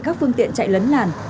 các phương tiện chạy lấn làn